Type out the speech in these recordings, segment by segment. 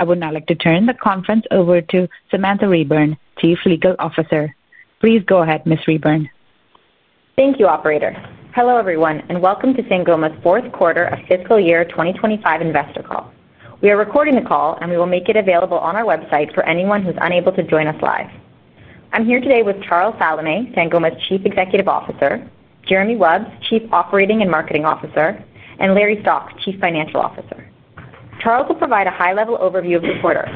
I would now like to turn the conference over to Samantha Reburn, Chief Legal Officer. Please go ahead, Ms. Reburn. Thank you, Operator. Hello everyone, and welcome to Sangoma's Fourth Quarter of Fiscal Year 2025 Investor Call. We are recording the call, and we will make it available on our website for anyone who is unable to join us live. I'm here today with Charles Salameh, Sangoma's Chief Executive Officer, Jeremy Wubs, Chief Operating and Marketing Officer, and Larry Stock, Chief Financial Officer. Charles will provide a high-level overview of the quarter.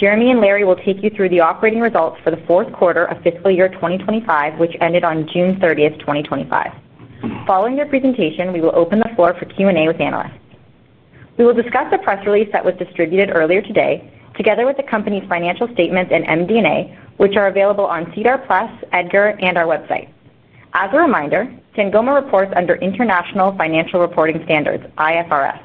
Jeremy and Larry will take you through the operating results for the fourth quarter of fiscal year 2025, which ended on June 30, 2025. Following their presentation, we will open the floor for Q&A with analysts. We will discuss the press release that was distributed earlier today, together with the company's financial statements and MD&A, which are available on SEDAR Plus, EDGAR, and our website. As a reminder, Sangoma reports under International Financial Reporting Standards, IFRS,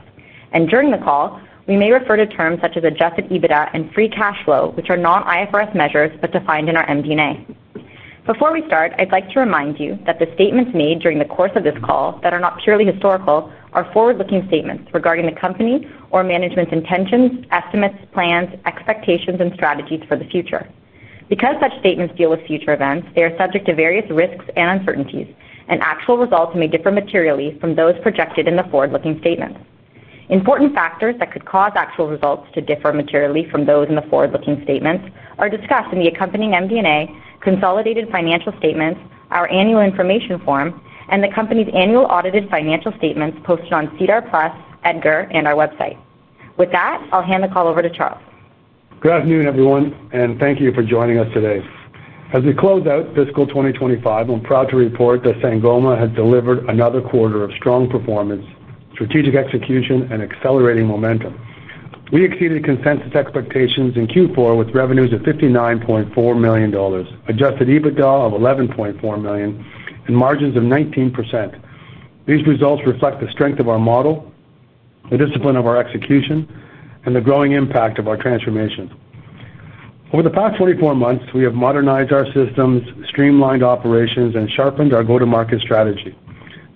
and during the call, we may refer to terms such as adjusted EBITDA and free cash flow, which are non-IFRS measures but defined in our MD&A. Before we start, I'd like to remind you that the statements made during the course of this call that are not purely historical are forward-looking statements regarding the company or management's intentions, estimates, plans, expectations, and strategies for the future. Because such statements deal with future events, they are subject to various risks and uncertainties, and actual results may differ materially from those projected in the forward-looking statements. Important factors that could cause actual results to differ materially from those in the forward-looking statements are discussed in the accompanying MD&A, Consolidated Financial Statements, our Annual Information Form, and the company's Annual Audited Financial Statements posted on SEDAR Plus, EDGAR, and our website. With that, I'll hand the call over to Charles. Good afternoon, everyone, and thank you for joining us today. As we close out fiscal 2025, I'm proud to report that Sangoma has delivered another quarter of strong performance, strategic execution, and accelerating momentum. We exceeded consensus expectations in Q4 with revenues of $59.4 million, adjusted EBITDA of $11.4 million, and margins of 19%. These results reflect the strength of our model, the discipline of our execution, and the growing impact of our transformations. Over the past 24 months, we have modernized our systems, streamlined operations, and sharpened our go-to-market strategy.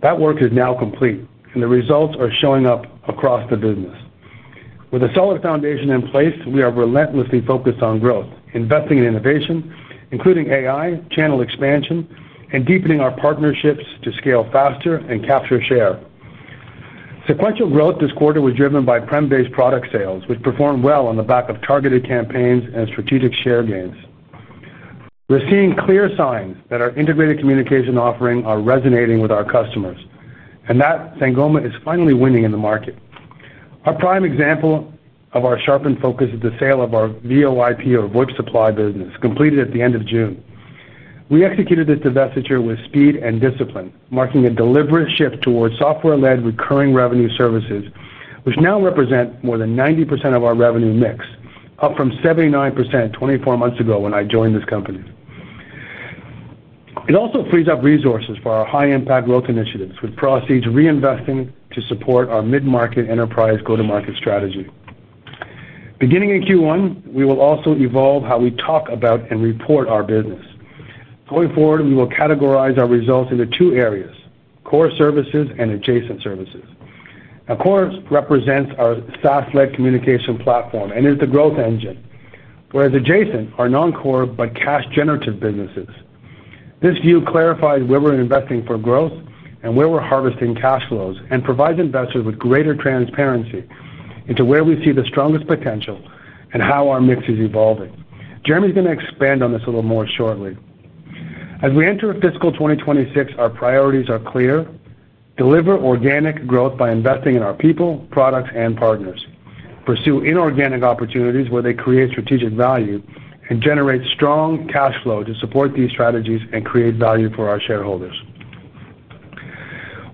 That work is now complete, and the results are showing up across the business. With a solid foundation in place, we are relentlessly focused on growth, investing in innovation, including AI, channel expansion, and deepening our partnerships to scale faster and capture share. Sequential growth this quarter was driven by prem-based product sales, which performed well on the back of targeted campaigns and strategic share gains. We're seeing clear signs that our integrated communication offerings are resonating with our customers, and that Sangoma is finally winning in the market. A prime example of our sharpened focus is the sale of our VoIP Supply business, completed at the end of June. We executed this divestiture with speed and discipline, marking a deliberate shift towards software-led recurring revenue services, which now represent more than 90% of our revenue mix, up from 79% 24 months ago when I joined this company. It also frees up resources for our high-impact growth initiatives, with proceeds reinvesting to support our mid-market enterprise go-to-market strategy. Beginning in Q1, we will also evolve how we talk about and report our business. Going forward, we will categorize our results into two areas: core services and adjacent services. Core represents our SaaS-led communication platform and is the growth engine, whereas adjacent are non-core but cash-generative businesses. This view clarifies where we're investing for growth and where we're harvesting cash flows and provides investors with greater transparency into where we see the strongest potential and how our mix is evolving. Jeremy is going to expand on this a little more shortly. As we enter fiscal 2026, our priorities are clear: deliver organic growth by investing in our people, products, and partners, pursue inorganic opportunities where they create strategic value, and generate strong cash flow to support these strategies and create value for our shareholders.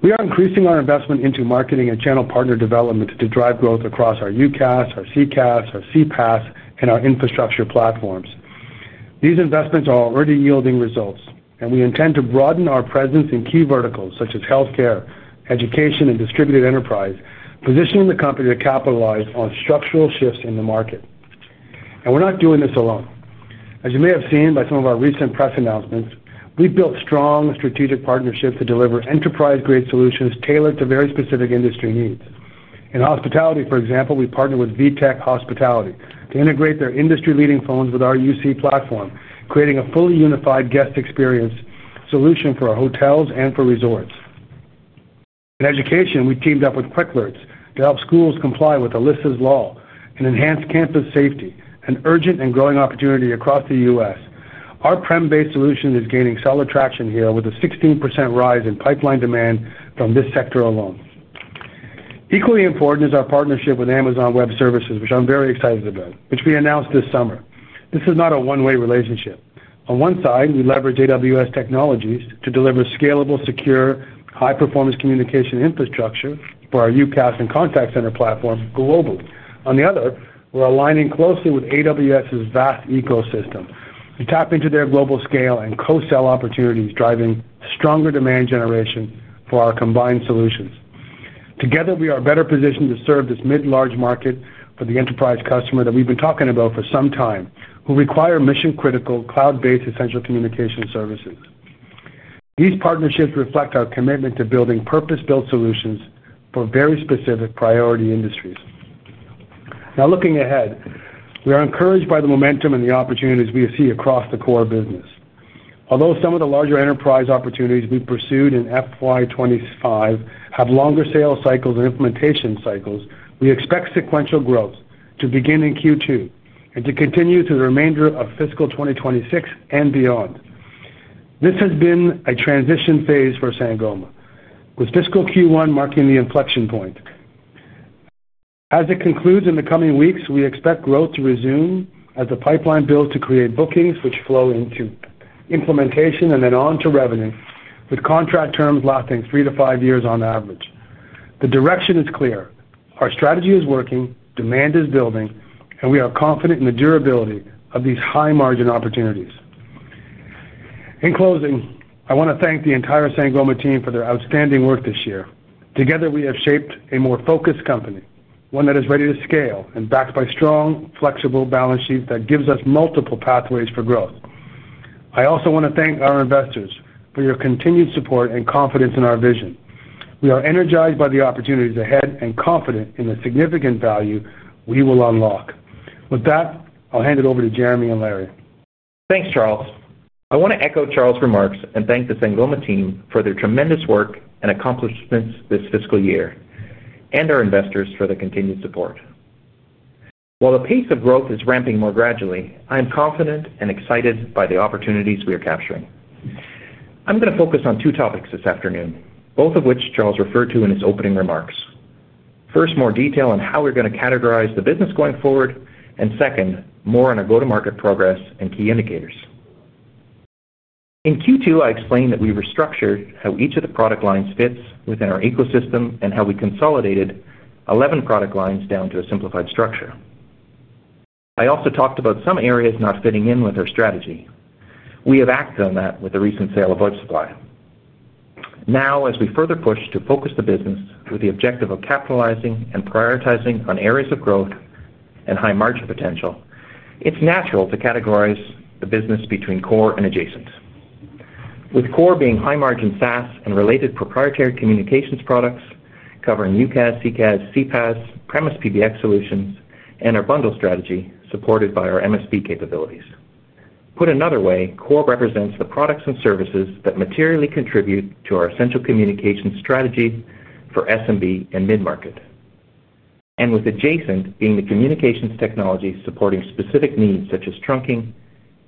We are increasing our investment into marketing and channel partner development to drive growth across our UCaaS, our CCaaS, our CPaaS, and our infrastructure platforms. These investments are already yielding results, and we intend to broaden our presence in key verticals such as healthcare, education, and distributed enterprise, positioning the company to capitalize on structural shifts in the market. We are not doing this alone. As you may have seen by some of our recent press announcements, we've built strong strategic partnerships to deliver enterprise-grade solutions tailored to very specific industry needs. In hospitality, for example, we partnered with VTech hospitality to integrate their industry-leading phones with our UC platform, creating a fully unified guest experience solution for our hotels and for resorts. In education, we teamed up with Quicklert to help schools comply with Alyssa's Law and enhance campus safety, an urgent and growing opportunity across the U.S. Our prem-based solution is gaining solid traction here with a 16% rise in pipeline demand from this sector alone. Equally important is our partnership with Amazon Web Services, which I'm very excited about, which we announced this summer. This is not a one-way relationship. On one side, we leverage AWS technologies to deliver scalable, secure, high-performance communication infrastructure for our UCaaS and contact center platform globally. On the other, we're aligning closely with AWS' vast ecosystem to tap into their global scale and co-sell opportunities, driving stronger demand generation for our combined solutions. Together, we are better positioned to serve this mid-large market of the enterprise customer that we've been talking about for some time, who require mission-critical cloud-based essential communication services. These partnerships reflect our commitment to building purpose-built solutions for very specific priority industries. Now, looking ahead, we are encouraged by the momentum and the opportunities we see across the core business. Although some of the larger enterprise opportunities we pursued in FY 2025 have longer sales cycles and implementation cycles, we expect sequential growth to begin in Q2 and to continue through the remainder of fiscal 2026 and beyond. This has been a transition phase for Sangoma, with fiscal Q1 marking the inflection point. As it concludes in the coming weeks, we expect growth to resume as the pipeline builds to create bookings, which flow into implementation and then on to revenue, with contract terms lasting three to five years on average. The direction is clear. Our strategy is working, demand is building, and we are confident in the durability of these high-margin opportunities. In closing, I want to thank the entire Sangoma team for their outstanding work this year. Together, we have shaped a more focused company, one that is ready to scale and backed by strong, flexible balance sheets that give us multiple pathways for growth. I also want to thank our investors for your continued support and confidence in our vision. We are energized by the opportunities ahead and confident in the significant value we will unlock. With that, I'll hand it over to Jeremy and Larry. Thanks, Charles. I want to echo Charles' remarks and thank the Sangoma team for their tremendous work and accomplishments this fiscal year and our investors for their continued support. While the pace of growth is ramping more gradually, I am confident and excited by the opportunities we are capturing. I'm going to focus on two topics this afternoon, both of which Charles referred to in his opening remarks. First, more detail on how we're going to categorize the business going forward, and second, more on our go-to-market progress and key indicators. In Q2, I explained that we restructured how each of the product lines fits within our ecosystem and how we consolidated 11 product lines down to a simplified structure. I also talked about some areas not fitting in with our strategy. We have acted on that with the recent sale of VoIP Supply. Now, as we further push to focus the business with the objective of capitalizing and prioritizing on areas of growth and high margin potential, it's natural to categorize the business between core and adjacent. With core being high-margin SaaS and related proprietary communications products covering UCaaS, CCaaS, CPaaS, premise PBX solutions, and our bundle strategy supported by our MSP capabilities. Put another way, core represents the products and services that materially contribute to our essential communications strategy for SMB and mid-market. With adjacent being the communications technologies supporting specific needs such as trunking,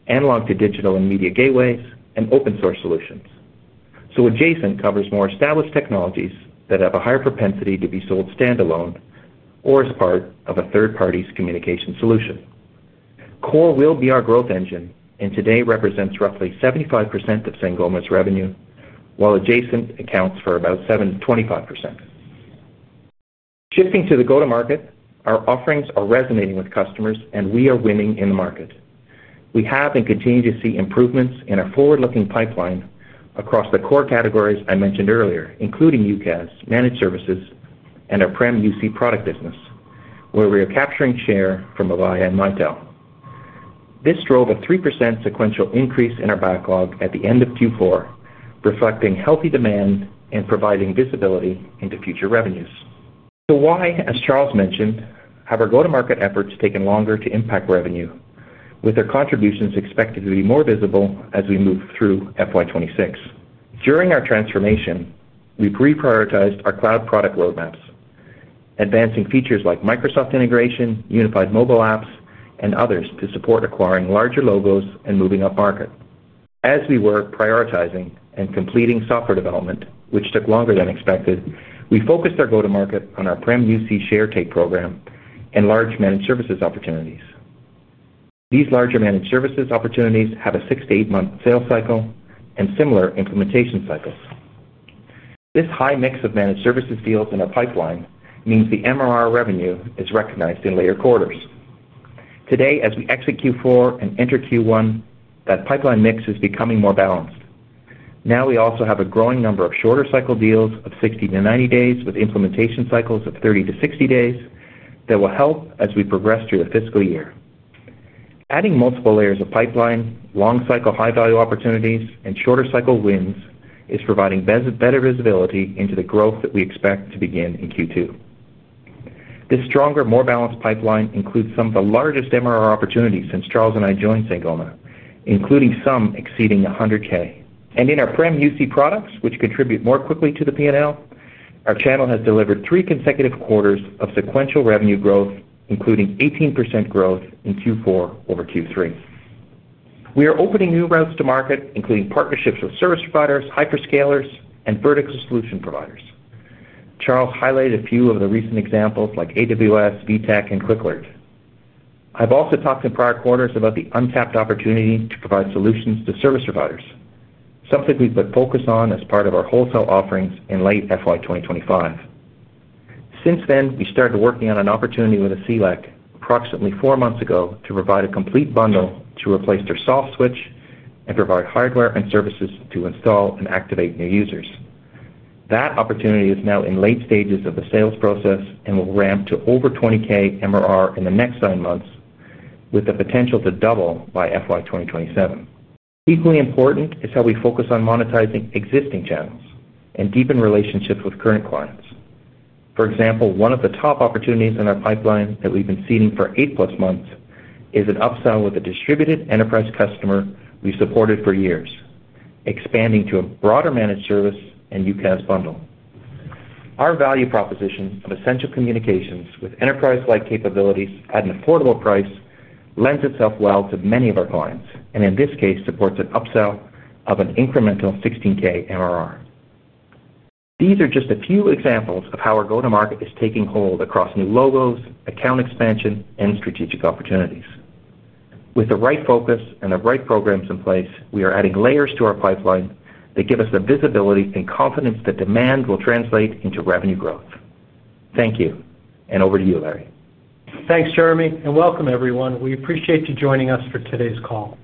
analog-to-digital and media gateways, and open-source solutions. Adjacent covers more established technologies that have a higher propensity to be sold standalone or as part of a third party's communication solution. Core will be our growth engine and today represents roughly 75% of Sangoma's revenue, while adjacent accounts for about 25%. Shifting to the go-to-market, our offerings are resonating with customers, and we are winning in the market. We have and continue to see improvements in our forward-looking pipeline across the core categories I mentioned earlier, including UCaaS, managed services, and our prem-based UC product business, where we are capturing share from Avaya and Mitel. This drove a 3% sequential increase in our backlog at the end of Q4, reflecting healthy demand and providing visibility into future revenues. Why, as Charles mentioned, have our go-to-market efforts taken longer to impact revenue, with their contributions expected to be more visible as we move through FY 2026? During our transformation, we've reprioritized our cloud product roadmaps, advancing features like Microsoft integration, unified mobile apps, and others to support acquiring larger logos and moving up market. As we were prioritizing and completing software development, which took longer than expected, we focused our go-to-market on our prem-UC share take program and large managed services opportunities. These larger managed services opportunities have a six to eight-month sales cycle and similar implementation cycles. This high mix of managed services deals in our pipeline means the MRR revenue is recognized in later quarters. Today, as we exit Q4 and enter Q1, that pipeline mix is becoming more balanced. Now we also have a growing number of shorter cycle deals of 60-90 days, with implementation cycles of 30-60 days that will help as we progress through the fiscal year. Adding multiple layers of pipeline, long cycle high-value opportunities, and shorter cycle wins is providing better visibility into the growth that we expect to begin in Q2. This stronger, more balanced pipeline includes some of the largest MRR opportunities since Charles and I joined Sangoma, including some exceeding $100,000. In our prem-UC products, which contribute more quickly to the P&L, our channel has delivered three consecutive quarters of sequential revenue growth, including 18% growth in Q4 over Q3. We are opening new routes to market, including partnerships with service providers, hyperscalers, and vertical solution providers. Charles highlighted a few of the recent examples like AWS, VTech, and Quicklert. I've also talked in prior quarters about the untapped opportunity to provide solutions to service providers, something we've put focus on as part of our wholesale offerings in late FY 2025. Since then, we started working on an opportunity with a CLEC approximately four months ago to provide a complete bundle to replace their soft switch and provide hardware and services to install and activate new users. That opportunity is now in late stages of the sales process and will ramp to over $20,000 MRR in the next nine months, with the potential to double by FY 2027. Equally important is how we focus on monetizing existing channels and deepen relationships with current clients. For example, one of the top opportunities in our pipeline that we've been seeding for 8+ months is an upsell with a distributed enterprise customer we've supported for years, expanding to a broader managed service and UCaaS bundle. Our value proposition of essential communications with enterprise-like capabilities at an affordable price lends itself well to many of our clients and, in this case, supports an upsell of an incremental $16,000 MRR. These are just a few examples of how our go-to-market is taking hold across new logos, account expansion, and strategic opportunities. With the right focus and the right programs in place, we are adding layers to our pipeline that give us the visibility and confidence that demand will translate into revenue growth. Thank you, and over to you, Larry. Thanks, Jeremy, and welcome, everyone. We appreciate you joining us for today's call.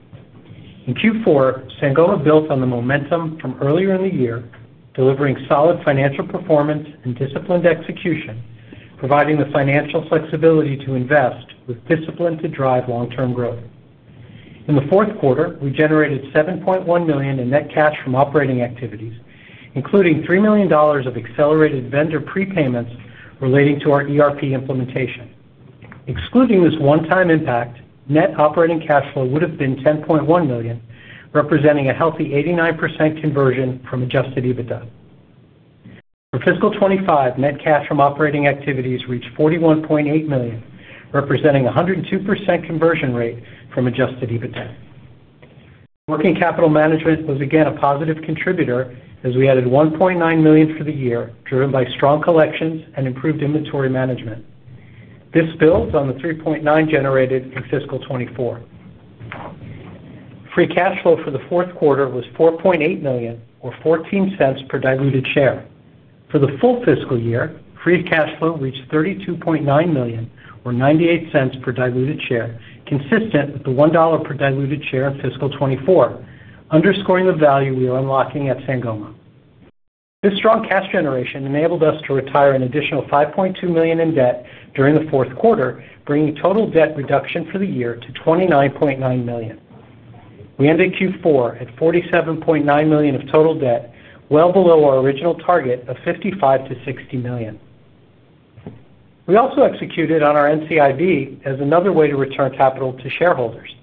In Q4, Sangoma built on the momentum from earlier in the year, delivering solid financial performance and disciplined execution, providing the financial flexibility to invest with discipline to drive long-term growth. In the fourth quarter, we generated $7.1 million in net cash from operating activities, including $3 million of accelerated vendor prepayments relating to our ERP implementation. Excluding this one-time impact, net operating cash flow would have been $10.1 million, representing a healthy 89% conversion from adjusted EBITDA. For fiscal 2025, net cash from operating activities reached $41.8 million, representing a 102% conversion rate from adjusted EBITDA. Working capital management was again a positive contributor as we added $1.9 million for the year, driven by strong collections and improved inventory management. This builds on the $3.9 million generated in fiscal 2024. Free cash flow for the fourth quarter was $4.8 million, or $0.14 per diluted share. For the full fiscal year, free cash flow reached $32.9 million, or $0.98 per diluted share, consistent with the $1 per diluted share of fiscal 2024, underscoring the value we are unlocking at Sangoma. This strong cash generation enabled us to retire an additional $5.2 million in debt during the fourth quarter, bringing total debt reduction for the year to $29.9 million. We ended Q4 at $47.9 million of total debt, well below our original target of $55 million-$60 million. We also executed on our NCIB as another way to return capital to shareholders.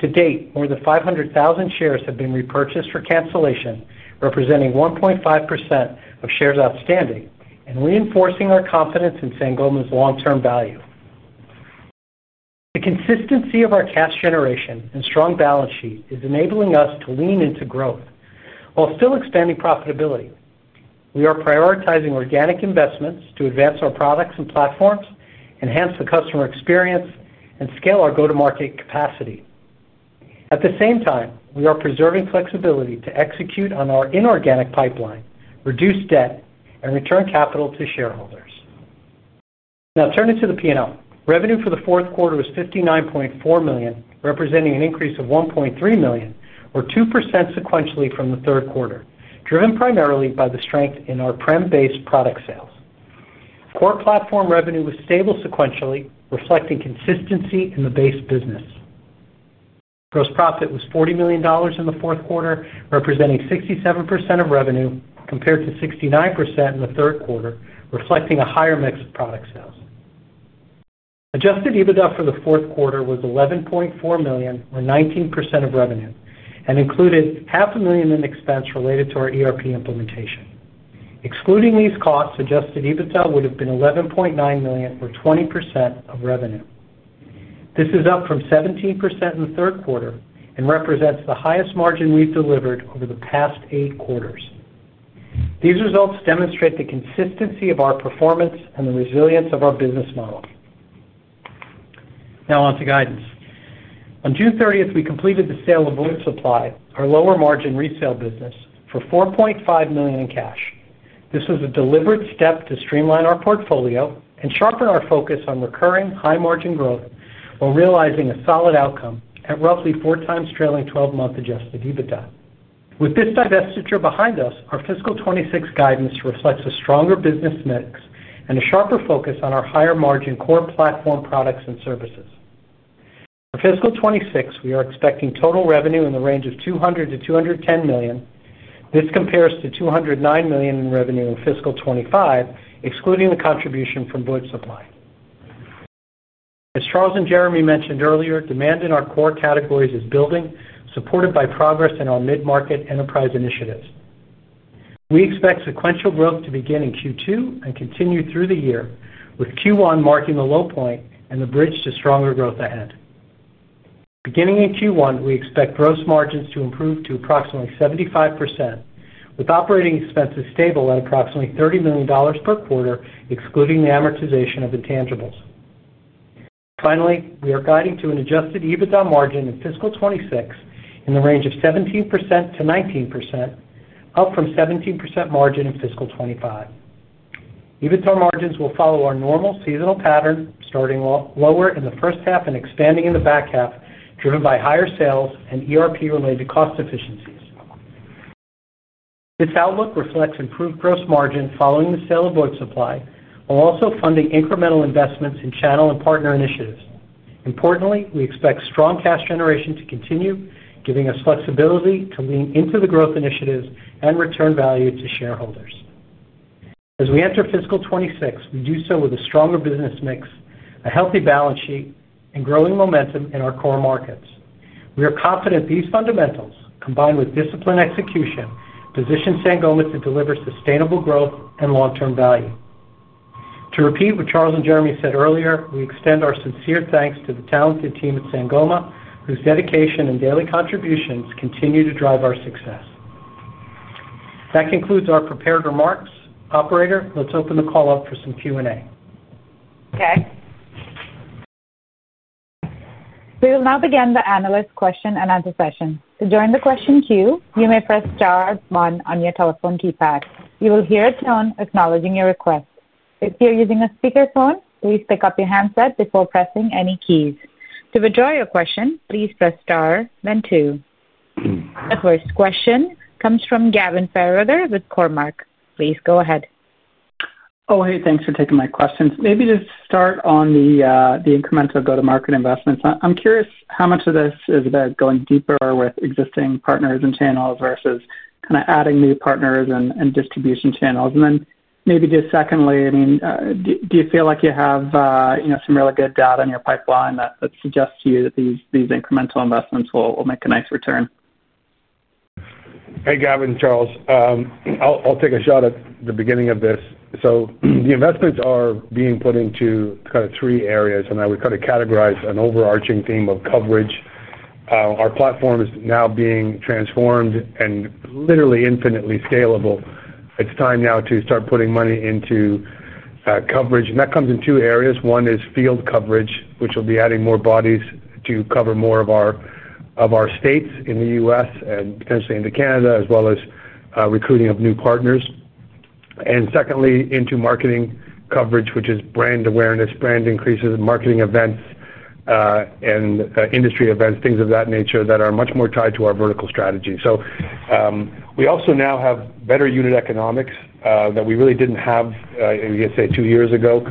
To date, more than 500,000 shares have been repurchased for cancellation, representing 1.5% of shares outstanding and reinforcing our confidence in Sangoma's long-term value. The consistency of our cash generation and strong balance sheet is enabling us to lean into growth while still expanding profitability. We are prioritizing organic investments to advance our products and platforms, enhance the customer experience, and scale our go-to-market capacity. At the same time, we are preserving flexibility to execute on our inorganic pipeline, reduce debt, and return capital to shareholders. Now, turning to the P&L, revenue for the fourth quarter was $59.4 million, representing an increase of $1.3 million, or 2% sequentially from the third quarter, driven primarily by the strength in our prem-based product sales. Core platform revenue was stable sequentially, reflecting consistency in the base business. Gross profit was $40 million in the fourth quarter, representing 67% of revenue compared to 69% in the third quarter, reflecting a higher mix of product sales. Adjusted EBITDA for the fourth quarter was $11.4 million, or 19% of revenue, and included half a million in expense related to our ERP implementation. Excluding these costs, adjusted EBITDA would have been $11.9 million, or 20% of revenue. This is up from 17% in the third quarter and represents the highest margin we've delivered over the past eight quarters. These results demonstrate the consistency of our performance and the resilience of our business model. Now, on to guidance. On June 30th, we completed the sale of VoIP Supply, our lower margin resale business, for $4.5 million in cash. This was a deliberate step to streamline our portfolio and sharpen our focus on recurring high margin growth while realizing a solid outcome at roughly four times trailing 12-month adjusted EBITDA. With this divestiture behind us, our fiscal 2026 guidance reflects a stronger business mix and a sharper focus on our higher margin core platform products and services. For fiscal 2026, we are expecting total revenue in the range of $200 million-$210 million. This compares to $209 million in revenue in fiscal 2025, excluding the contribution from VoIP Supply. As Charles and Jeremy mentioned earlier, demand in our core categories is building, supported by progress in our mid-market enterprise initiatives. We expect sequential growth to begin in Q2 and continue through the year, with Q1 marking the low point and the bridge to stronger growth ahead. Beginning in Q1, we expect gross margins to improve to approximately 75%, with operating expenses stable at approximately $30 million per quarter, excluding the amortization of intangibles. Finally, we are guiding to an adjusted EBITDA margin in fiscal 2026 in the range of 17%-19%, up from 17% margin in fiscal 2025. EBITDA margins will follow our normal seasonal pattern, starting lower in the first half and expanding in the back half, driven by higher sales and ERP-related cost efficiencies. This outlook reflects improved gross margins following the sale of VoIP Supply, while also funding incremental investments in channel and partner initiatives. Importantly, we expect strong cash generation to continue, giving us flexibility to lean into the growth initiatives and return value to shareholders. As we enter fiscal 2026, we do so with a stronger business mix, a healthy balance sheet, and growing momentum in our core markets. We are confident these fundamentals, combined with disciplined execution, position Sangoma to deliver sustainable growth and long-term value. To repeat what Charles and Jeremy said earlier, we extend our sincere thanks to the talented team at Sangoma, whose dedication and daily contributions continue to drive our success. That concludes our prepared remarks. Operator, let's open the call up for some Q&A. Okay. We will now begin the analyst question and answer session. To join the question queue, you may press star one on your telephone keypad. You will hear a tone acknowledging your request. If you're using a speaker phone, please pick up your handset before pressing any keys. To withdraw your question, please press star, then two. The first question comes from Gavin Fairweather with Cormark. Please go ahead. Oh, thanks for taking my questions. Maybe just to start on the incremental go-to-market investments, I'm curious how much of this is about going deeper with existing partners and channels versus kind of adding new partners and distribution channels. Maybe just secondly, do you feel like you have some really good data in your pipeline that suggests to you that these incremental investments will make a nice return? Hey, Gavin, Charles. I'll take a shot at the beginning of this. The investments are being put into kind of three areas, and I would categorize an overarching theme of coverage. Our platform is now being transformed and literally infinitely scalable. It's time now to start putting money into coverage, and that comes in two areas. One is field coverage, which will be adding more bodies to cover more of our states in the U.S. and potentially into Canada, as well as recruiting of new partners. Secondly, into marketing coverage, which is brand awareness, brand increases, marketing events, and industry events, things of that nature that are much more tied to our vertical strategy. We also now have better unit economics that we really didn't have, I guess, say, two years ago.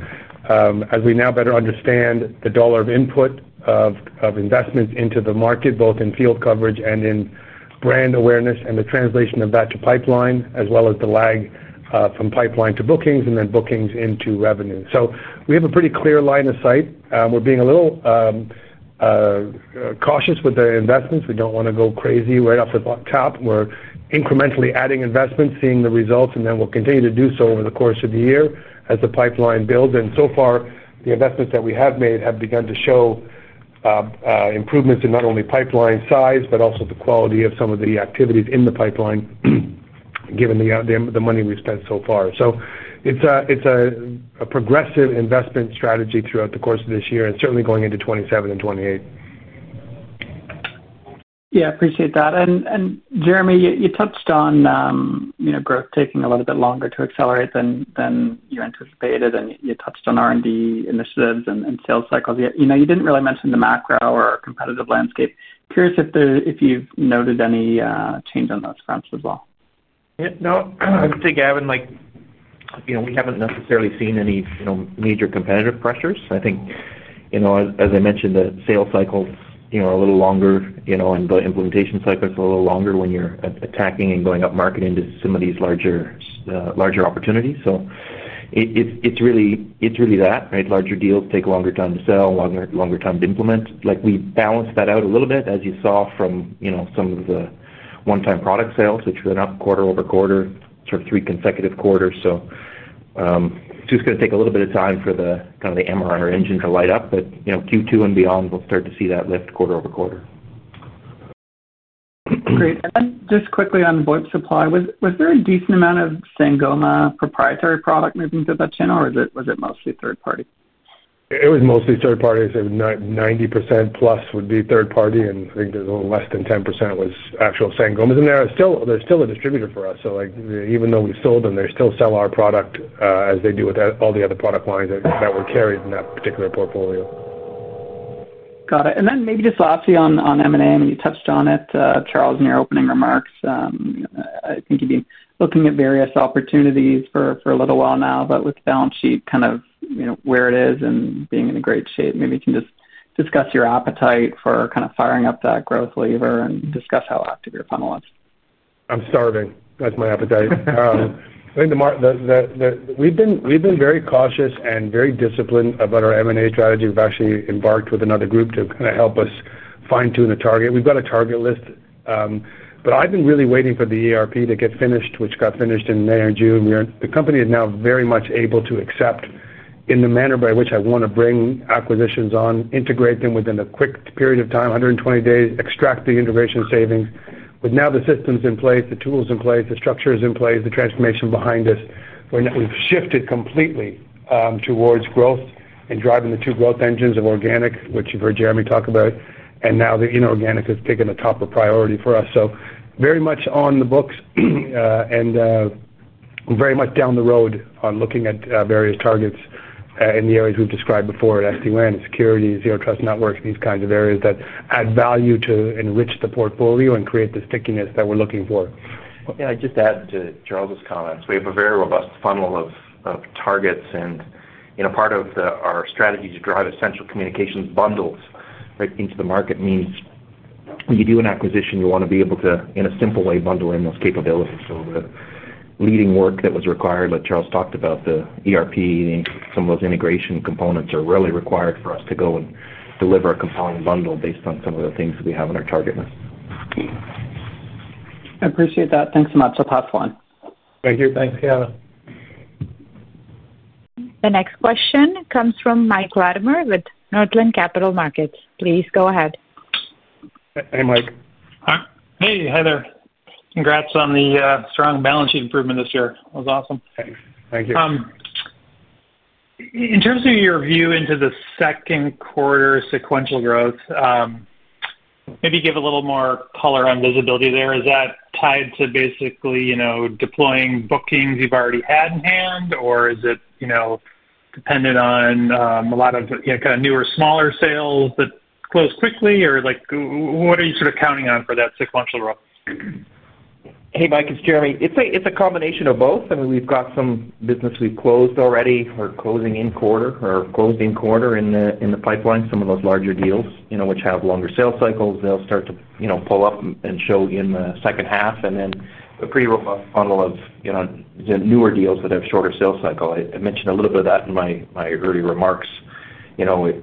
As we now better understand the dollar of input of investments into the market, both in field coverage and in brand awareness, and the translation of that to pipeline, as well as the lag from pipeline to bookings and then bookings into revenue. We have a pretty clear line of sight. We're being a little cautious with the investments. We don't want to go crazy right off the top. We're incrementally adding investments, seeing the results, and then we'll continue to do so over the course of the year as the pipeline builds. The investments that we have made have begun to show improvements in not only pipeline size, but also the quality of some of the activities in the pipeline, given the money we've spent so far. It's a progressive investment strategy throughout the course of this year and certainly going into 2027 and 2028. I appreciate that. Jeremy, you touched on growth taking a little bit longer to accelerate than you anticipated, and you touched on R&D initiatives and sales cycles. You didn't really mention the macro or competitive landscape. Curious if you've noted any change on those fronts as well. Yeah, no, I would say, Gavin, we haven't necessarily seen any major competitive pressures. I think, as I mentioned, the sales cycles are a little longer, and the implementation cycles are a little longer when you're attacking and going up market into some of these larger opportunities. It's really that, right? Larger deals take a longer time to sell, longer time to implement. We balance that out a little bit, as you saw from some of the one-time product sales, which went up quarter-over-quarter, sort of three consecutive quarters. It's just going to take a little bit of time for the kind of the MRR engine to light up, but Q2 and beyond, we'll start to see that lift quarter-over-quarter. Great. Just quickly on VoIP Supply, was there a decent amount of Sangoma proprietary product moving through that channel, or was it mostly third party? It was mostly third parties. 90%+ would be third party, and I think there's a little less than 10% was actual Sangoma. There's still a distributor for us. Even though we sold them, they still sell our product as they do with all the other product lines that were carried in that particular portfolio. Got it. Lastly on M&A, you touched on it, Charles, in your opening remarks. I think you've been looking at various opportunities for a little while now, but with the balance sheet where it is and being in great shape, maybe you can just discuss your appetite for firing up that growth lever and discuss how active your funnel is. I'm starving. That's my appetite. I think the market, we've been very cautious and very disciplined about our M&A strategy. We've actually embarked with another group to help us fine-tune a target. We've got a target list, but I've been really waiting for the ERP to get finished, which got finished in May or June. The company is now very much able to accept in the manner by which I want to bring acquisitions on, integrate them within a quick period of time, 120 days, extract the integration savings. With now the systems in place, the tools in place, the structures in place, the transformation behind us, we've shifted completely towards growth and driving the two growth engines of organic, which you've heard Jeremy talk about, and now the inorganic has taken the top of priority for us. Very much on the books and very much down the road on looking at various targets in the areas we've described before at SD-WAN, security, zero trust networks, these kinds of areas that add value to enrich the portfolio and create the stickiness that we're looking for. Yeah, I'd just add to Charles's comments. We have a very robust funnel of targets, and part of our strategy to drive essential communications bundles right into the market means when you do an acquisition, you want to be able to, in a simple way, bundle in those capabilities. The leading work that was required, like Charles talked about, the ERP, some of those integration components are really required for us to go and deliver a compelling bundle based on some of the things that we have in our target list. I appreciate that. Thanks so much. I'll pass it on. Thank you. Thanks, Gavin. The next question comes from Mike Latimore with Northland Capital Markets. Please go ahead. Hey, Mike. Hi. Hey, hi there. Congrats on the strong balance sheet improvement this year. That was awesome. Thank you. In terms of your view into the second quarter's sequential growth, maybe give a little more color on visibility there. Is that tied to basically deploying bookings you've already had in hand, or is it dependent on a lot of newer, smaller sales that close quickly, or what are you sort of counting on for that sequential growth? Hey, Mike. It's Jeremy. It's a combination of both. We've got some business we've closed already or closing in quarter or closed in quarter in the pipeline, some of those larger deals, which have longer sales cycles. They'll start to pull up and show in the second half, and then a pretty robust bundle of the newer deals that have shorter sales cycles. I mentioned a little bit of that in my earlier remarks.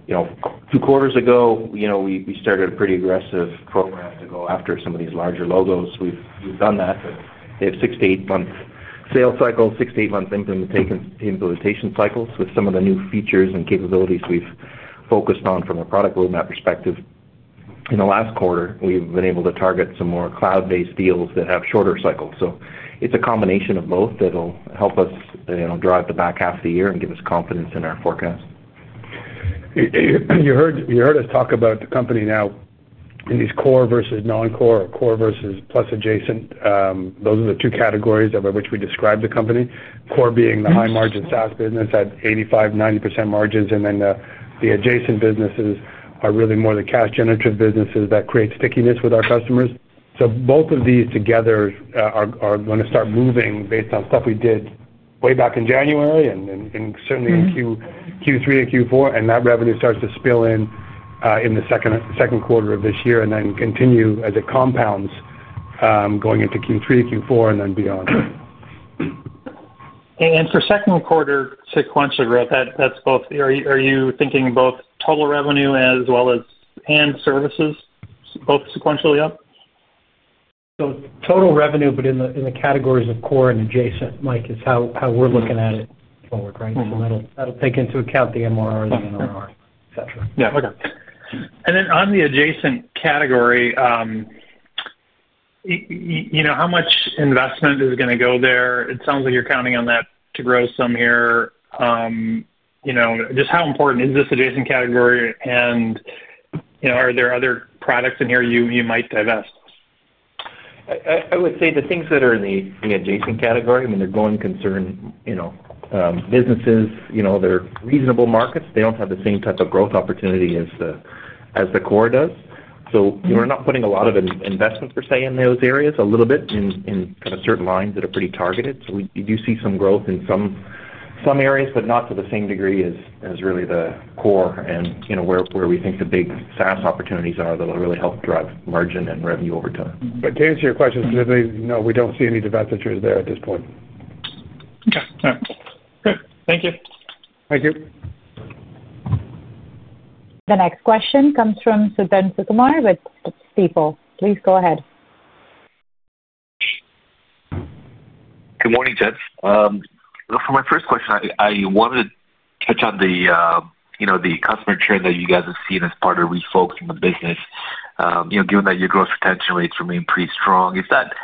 Two quarters ago, we started a pretty aggressive footwork to go after some of these larger logos. We've done that. They have six to eight-month sales cycles, six to eight-month implementation cycles with some of the new features and capabilities we've focused on from a product roadmap perspective. In the last quarter, we've been able to target some more cloud-based deals that have shorter cycles. It's a combination of both that'll help us drive the back half of the year and give us confidence in our forecast. You heard us talk about the company now in these core versus non-core or core versus plus adjacent. Those are the two categories by which we describe the company, core being the high-margin SaaS business at 85%, 90% margins, and then the adjacent businesses are really more the cash-generative businesses that create stickiness with our customers. Both of these together are going to start moving based on stuff we did way back in January and certainly in Q3 and Q4, and that revenue starts to spill in in the second quarter of this year and then continue as it compounds going into Q3 and Q4 and then beyond. For second quarter sequential growth, are you thinking of both total revenue as well as services, both sequentially up? Total revenue, but in the categories of core and adjacent, Mike, is how we're looking at it forward, right? That'll take into account the MRR, the NRR, etc. Okay. On the adjacent category, how much investment is going to go there? It sounds like you're counting on that to grow some here. How important is this adjacent category, and are there other products in here you might divest? I would say the things that are in the adjacent category are going to concern businesses. They're reasonable markets. They don't have the same type of growth opportunity as the core does. We're not putting a lot of investment, per se, in those areas, a little bit in certain lines that are pretty targeted. We do see some growth in some areas, but not to the same degree as really the core and where we think the big SaaS opportunities are that will really help drive margin and revenue over time. To answer your question specifically, no, we don't see any divestitures there at this point. Okay. All right. Great. Thank you. Thank you. The next question comes from Suthan Sukumar with Stifel. Please go ahead. Good morning, Dennis. For my first question, I wanted to touch on the customer churn that you guys have seen as part of refocusing the business. Given that your gross retention rates remain pretty strong, is that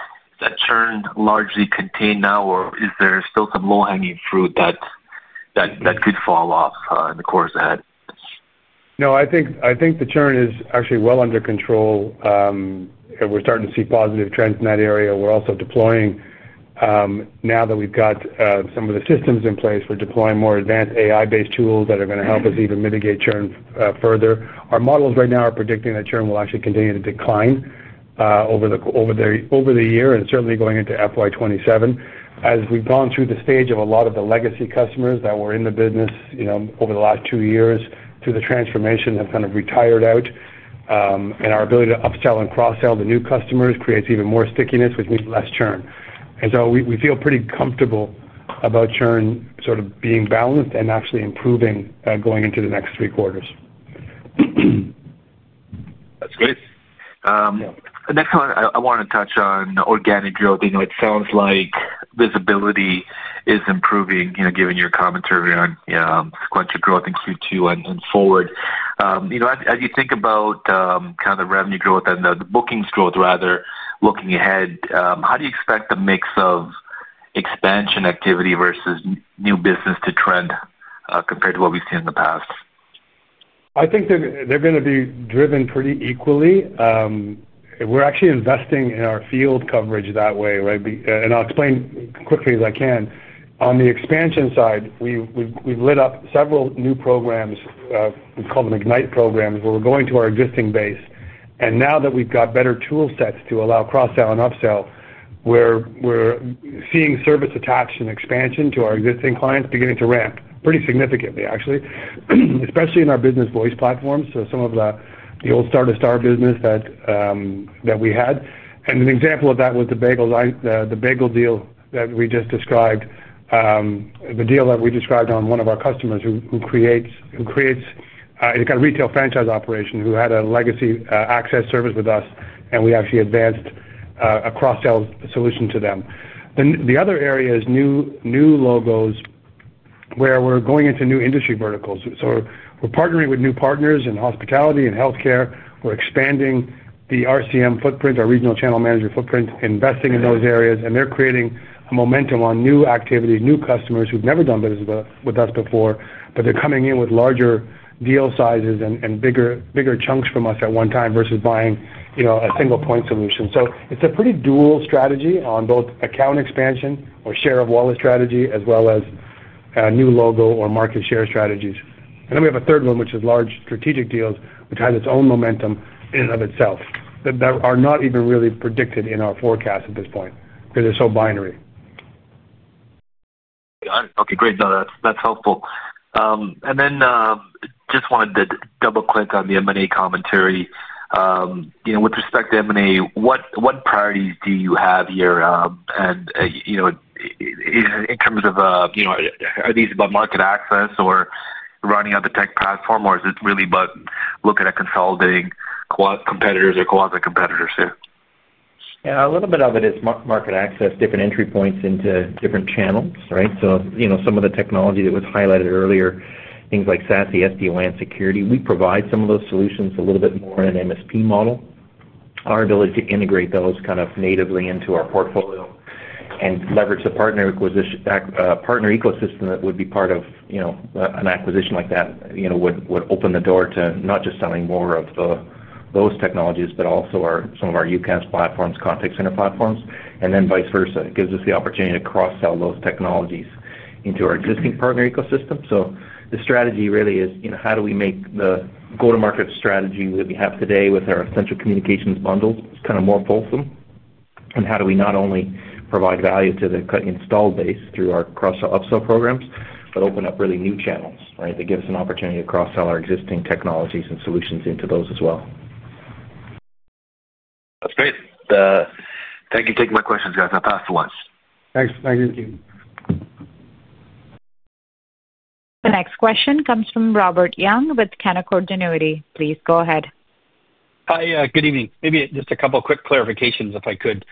churn largely contained now, or is there still some low-hanging fruit that could fall off in the course ahead? I think the churn is actually well under control. We're starting to see positive trends in that area. We're also deploying, now that we've got some of the systems in place, more advanced AI-based tools that are going to help us even mitigate churn further. Our models right now are predicting that churn will actually continue to decline over the year and certainly going into FY 2027. As we've gone through the stage of a lot of the legacy customers that were in the business over the last two years, through the transformation, have kind of retired out. Our ability to upsell and cross-sell the new customers creates even more stickiness, which means less churn. We feel pretty comfortable about churn sort of being balanced and actually improving going into the next three quarters. Next, I want to touch on organic growth. It sounds like visibility is improving, given your commentary on sequential growth in Q2 and forward. As you think about the revenue growth and the bookings growth, rather, looking ahead, how do you expect the mix of expansion activity versus new business to trend compared to what we've seen in the past? I think they're going to be driven pretty equally. We're actually investing in our field coverage that way, right? I'll explain quickly as I can. On the expansion side, we've lit up several new programs. We call them [Ignite] programs, where we're going to our existing base. Now that we've got better tool sets to allow cross-sell and upsell, we're seeing service attached and expansion to our existing clients beginning to ramp pretty significantly, actually, especially in our business voice platforms. Some of the old starter star business that we had, and an example of that was the bagel deal that we just described, the deal that we described on one of our customers who creates a kind of retail franchise operation who had a legacy access service with us, and we actually advanced a cross-sell solution to them. The other area is new logos where we're going into new industry verticals. We're partnering with new partners in hospitality and healthcare. We're expanding the RCM footprint, our regional channel management footprint, investing in those areas, and they're creating momentum on new activity, new customers who've never done business with us before, but they're coming in with larger deal sizes and bigger chunks from us at one time versus buying, you know, a single point solution. It's a pretty dual strategy on both account expansion or share of wallet strategy, as well as a new logo or market share strategies. We have a third one, which is large strategic deals, which has its own momentum in and of itself that are not even really predicted in our forecast at this point because they're so binary. Got it. Okay, great. No, that's helpful. Just wanted to double click on the M&A commentary. With respect to M&A, what priorities do you have here? In terms of, you know, are these about market access or running out the tech platform, or is it really about looking at consolidating competitors or quasi-competitors here? Yeah, a little bit of it is market access, different entry points into different channels, right? Some of the technology that was highlighted earlier, things like SASE, SD-WAN, security, we provide some of those solutions a little bit in an MSP model. Our ability to integrate those kind of natively into our portfolio and leverage the partner ecosystem that would be part of an acquisition like that would open the door to not just selling more of those technologies, but also some of our UCaaS platforms, contact center platforms, and then vice versa. It gives us the opportunity to cross-sell those technologies into our existing partner ecosystem. The strategy really is, how do we make the go-to-market strategy that we have today with our essential communications bundles kind of more fulsome? How do we not only provide value to the installed base through our cross-sell/upsell programs, but open up really new channels that give us an opportunity to cross-sell our existing technologies and solutions into those as well. That's great. Thank you for taking my questions, guys. I'll pass the ones. Thanks. The next question comes from Robert Young with Canaccord Genuity. Please go ahead. Hi, good evening. Maybe just a couple of quick clarifications if I could.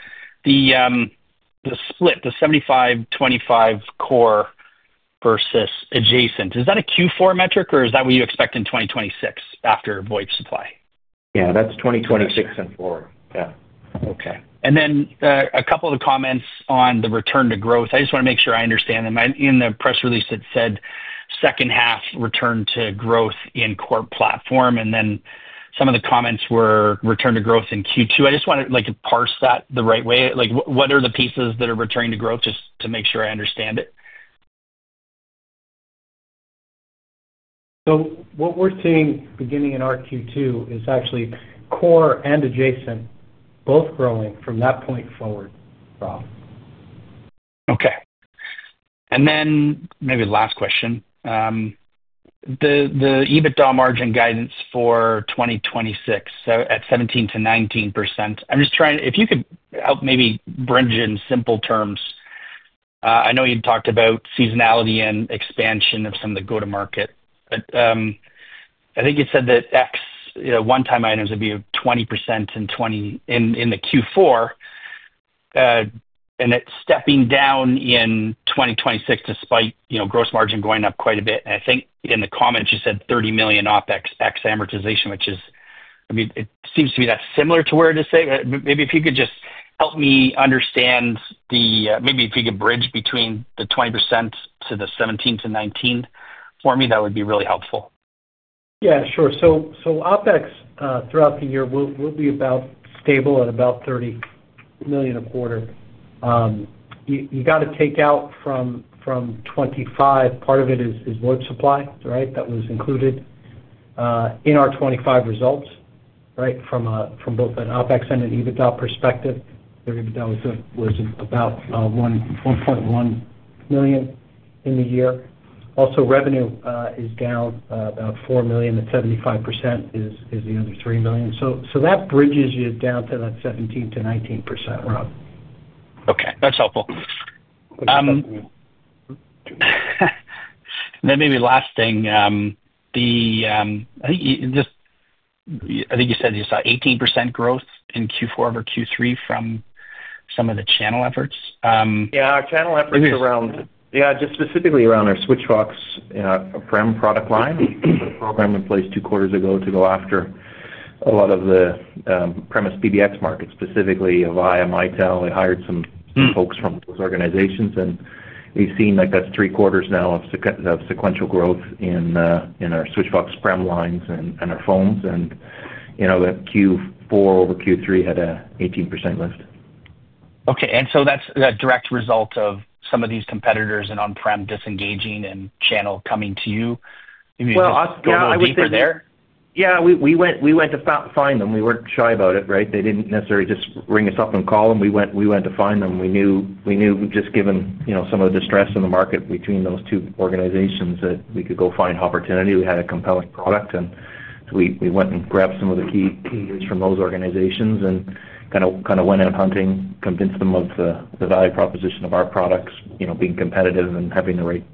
The split, the 75/25 core versus adjacent, is that a Q4 metric, or is that what you expect in 2026 after VoIP Supply? Yeah, that's 2026 and forward. Yeah. Okay. A couple of the comments on the return to growth, I just want to make sure I understand them. In the press release, it said second half return to growth in core platform, and then some of the comments were return to growth in Q2. I just want to parse that the right way. What are the pieces that are returning to growth just to make sure I understand it? We're seeing beginning in our Q2 is actually core and adjacent both growing from that point forward. Okay. Maybe last question. The EBITDA margin guidance for 2026 at 17%-19%. I'm just trying to, if you could help maybe bridge in simple terms. I know you talked about seasonality and expansion of some of the go-to-market, but I think you said that, you know, one-time items would be 20% in Q4, and it's stepping down in 2026 despite, you know, gross margin going up quite a bit. I think in the comments, you said $30 million OpEx, excluding amortization, which is, I mean, it seems to be similar to where it is today. Maybe if you could just help me understand, maybe if you could bridge between the 20% to the 17%-19% for me, that would be really helpful. Yeah, sure. OpEx throughout the year will be about stable at about $30 million a quarter. You got to take out from $25 million, part of it is VoIP Supply, right, that was included in our 2025 results, right, from both an OpEx and an EBITDA perspective. Their EBITDA was about $1.1 million in the year. Also, revenue is down about $4 million. The 75% is the other $3 million. That bridges you down to that 17%-19% rough. Okay. That's helpful. Maybe last thing, I think you said you saw 18% growth in Q4 over Q3 from some of the channel efforts. Our channel efforts around, specifically around our Switchvox, you know, a prem product line, all of them in place two quarters ago to go after a lot of the premise PBX market, specifically Avaya, Mitel. They hired some folks from those organizations, and you've seen like that's three quarters now of sequential growth in our Switchvox prem lines and our phones. You know, that Q4 over Q3 had an 18% lift. Okay. That's a direct result of some of these competitors and on-prem disengaging and channel coming to you? We went out deeper there. Yeah, we went to find them. We weren't shy about it, right? They didn't necessarily just ring us up and call them. We went to find them. We knew, we knew just given, you know, some of the distress in the market between those two organizations that we could go find an opportunity. We had a compelling product, and we went and grabbed some of the key leaders from those organizations and kind of went out hunting, convinced them of the value proposition of our products, you know, being competitive and having the right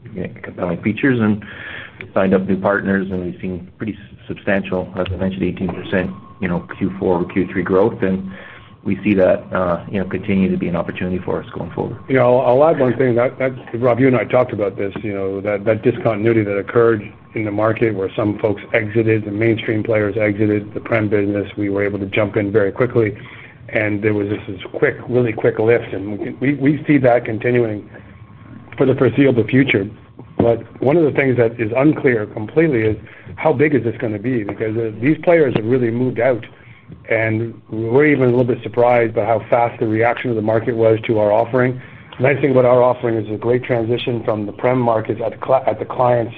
compelling features, and signed up new partners. We've seen pretty substantial, as I mentioned, 18% Q4 over Q3 growth. We see that continue to be an opportunity for us going forward. I'll add one thing. Rob, you and I talked about this, you know, that discontinuity that occurred in the market where some folks exited, the mainstream players exited the prem business. We were able to jump in very quickly, and there was just this quick, really quick lift. We see that continuing for the foreseeable future. One of the things that is unclear completely is how big is this going to be, because these players have really moved out, and we're even a little bit surprised by how fast the reaction of the market was to our offering. The nice thing about our offering is a great transition from the prem markets at the client's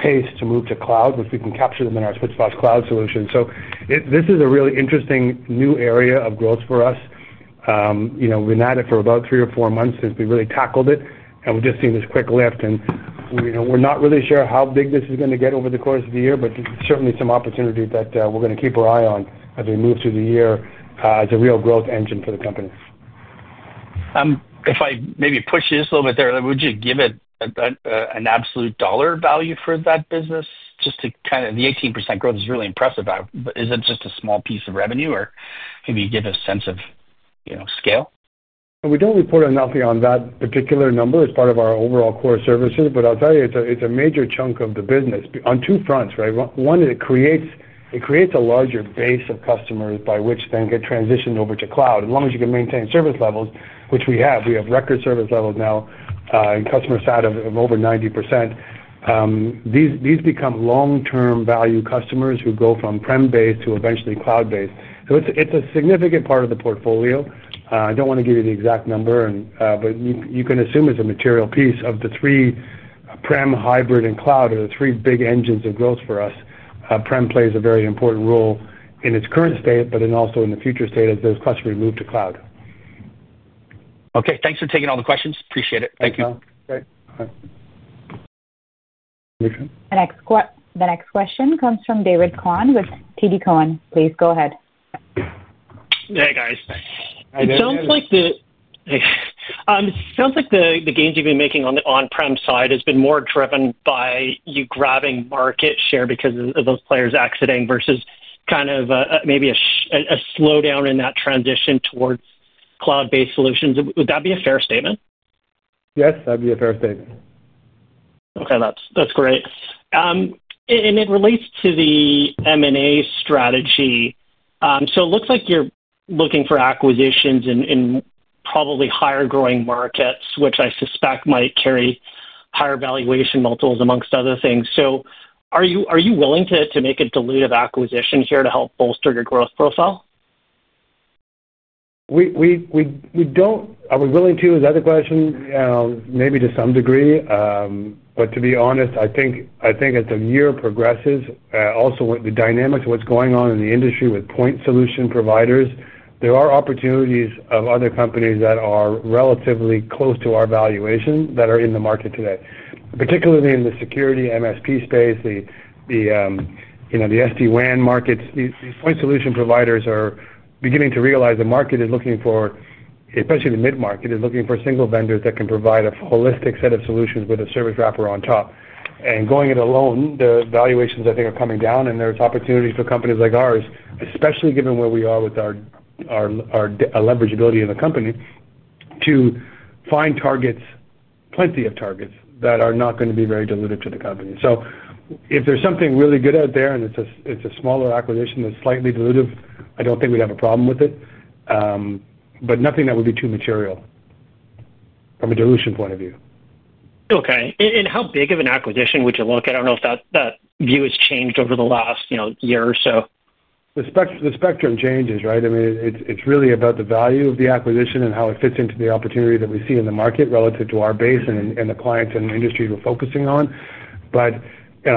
pace to move to cloud, which we can capture them in our Switchvox cloud solution. This is a really interesting new area of growth for us. We've been at it for about three or four months since we really tackled it, and we've just seen this quick lift. We're not really sure how big this is going to get over the course of the year, but certainly some opportunity that we're going to keep our eye on as we move through the year as a real growth engine for the company. If I maybe push this a little bit there, would you give it an absolute dollar value for that business? Just to kind of, the 18% growth is really impressive. Is it just a small piece of revenue, or can you give a sense of, you know, scale? We don't report enough on that particular number as part of our overall core services, but I'll tell you, it's a major chunk of the business on two fronts, right? One, it creates a larger base of customers by which then get transitioned over to cloud. As long as you can maintain service levels, which we have, we have record service levels now, and customer sat over 90%. These become long-term value customers who go from prem-based to eventually cloud-based. It's a significant part of the portfolio. I don't want to give you the exact number, but you can assume it's a material piece of the three prem, hybrid, and cloud are the three big engines of growth for us. Prem plays a very important role in its current state, but then also in the future state as those customers move to cloud. Okay. Thanks for taking all the questions. Appreciate it. Thank you. Great. The next question comes from David Kwan with TD Cowen. Please go ahead. Hey, guys. Hey, David. It sounds like the gains you've been making on the on-prem side have been more driven by you grabbing market share because of those players exiting versus maybe a slowdown in that transition towards cloud-based solutions. Would that be a fair statement? Yes, that'd be a fair statement. Okay, that's great. It relates to the M&A strategy. It looks like you're looking for acquisitions in probably higher growing markets, which I suspect might carry higher valuation multiples among other things. Are you willing to make a dilutive acquisition here to help bolster your growth profile? Are we willing to? Is that the question? Maybe to some degree. To be honest, I think as the year progresses, also with the dynamics of what's going on in the industry with point solution providers, there are opportunities of other companies that are relatively close to our valuation that are in the market today, particularly in the security MSP space, the SD-WAN markets. These point solution providers are beginning to realize the market is looking for, especially the mid-market is looking for single vendors that can provide a holistic set of solutions with a service wrapper on top. Going it alone, the valuations, I think, are coming down, and there's opportunities for companies like ours, especially given where we are with our leverageability in the company, to find targets, plenty of targets that are not going to be very dilutive to the company. If there's something really good out there and it's a smaller acquisition that's slightly dilutive, I don't think we'd have a problem with it. Nothing that would be too material from a dilution point of view. Okay. How big of an acquisition would you look? I don't know if that view has changed over the last year or so. The spectrum changes, right? I mean, it's really about the value of the acquisition and how it fits into the opportunity that we see in the market relative to our base and the clients and the industries we're focusing on.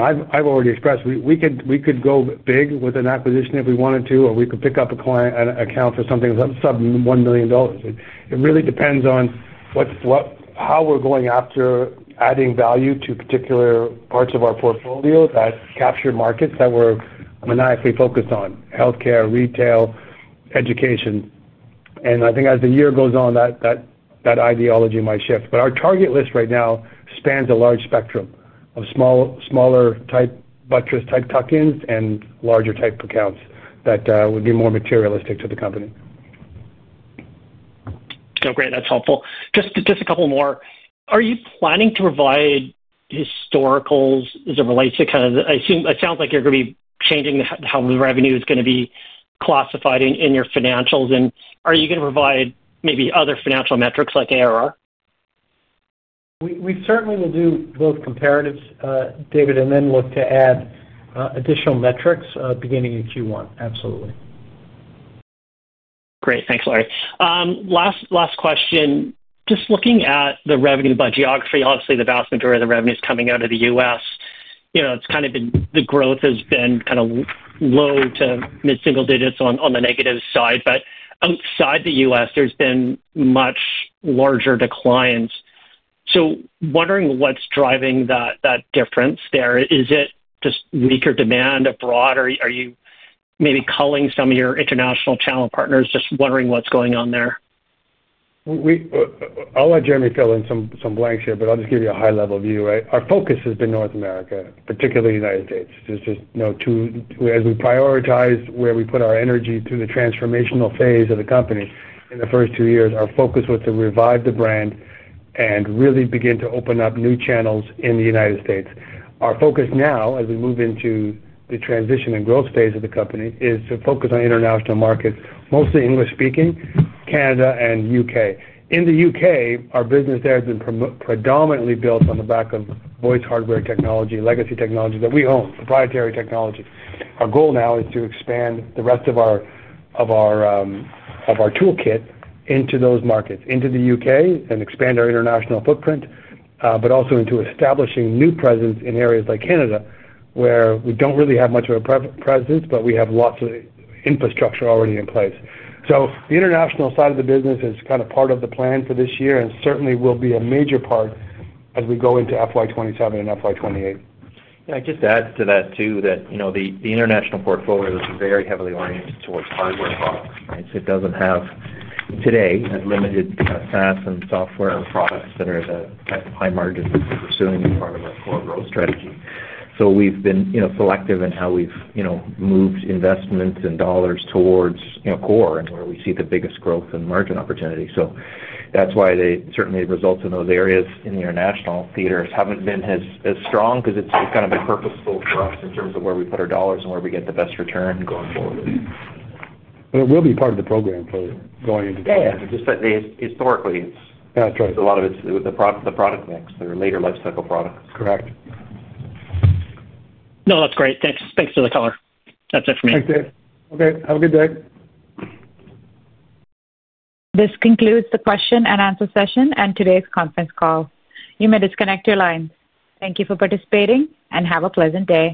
I've already expressed we could go big with an acquisition if we wanted to, or we could pick up a client and account for something sub-$1 million. It really depends on how we're going after adding value to particular parts of our portfolio that capture markets that we're maniacally focused on: healthcare, retail, education. I think as the year goes on, that ideology might shift. Our target list right now spans a large spectrum of smaller type buttress type tuck-ins and larger type accounts that would be more materialistic to the company. No, great. That's helpful. Just a couple more. Are you planning to provide historicals as it relates to kind of, I think it sounds like you're going to be changing how the revenue is going to be classified in your financials. Are you going to provide maybe other financial metrics like ARR? We certainly will do both comparatives, David, and then look to add additional metrics beginning in Q1. Absolutely. Great. Thanks, Larry. Last question. Just looking at the revenue by geography, obviously, the vast majority of the revenue is coming out of the U.S. You know, it's kind of been, the growth has been kind of low to mid-single digits on the negative side. Outside the U.S., there's been much larger declines. Wondering what's driving that difference there. Is it just weaker demand abroad? Are you maybe culling some of your international channel partners? Just wondering what's going on there. I'll let Jeremy fill in some blanks here, but I'll just give you a high-level view. Our focus has been North America, particularly the United States. There's just no two. As we prioritize where we put our energy through the transformational phase of the company in the first two years, our focus was to revive the brand and really begin to open up new channels in the United States. Our focus now, as we move into the transition and growth phase of the company, is to focus on international markets, mostly English-speaking, Canada, and U.K. In the U.K., our business there has been predominantly built on the back of voice hardware technology, legacy technology that we own, proprietary technologies. Our goal now is to expand the rest of our toolkit into those markets, into the U.K., and expand our international footprint, but also into establishing new presence in areas like Canada, where we don't really have much of a presence, but we have lots of infrastructure already in place. The international side of the business is kind of part of the plan for this year and certainly will be a major part as we go into FY 2027 and FY 2028. Yeah, I'd just add to that too that, you know, the international portfolio is very heavily oriented towards hardware box, right? It doesn't have, today, as limited SaaS and software as products that are as high margin as we're pursuing as part of a core growth strategy. We've been selective in how we've moved investments and dollars towards core and where we see the biggest growth and margin opportunity. That's why certainly the results in those areas in the international theaters haven't been as strong because it's kind of been purposeful for us in terms of where we put our dollars and where we get the best return going forward. It will be part of the program for going into the future. Yeah, just that historically, it's. Yeah, that's right. A lot of it's the product mix, they're later lifecycle products. Correct. No, that's great. Thanks. Thanks for the color. That's it for me. Thanks, Dave. Okay. Have a good day. This concludes the question and answer session and today's conference call. You may disconnect your line. Thank you for participating and have a pleasant day.